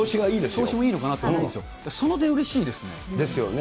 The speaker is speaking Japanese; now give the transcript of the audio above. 調子がいいと思うんですよ。ですよね。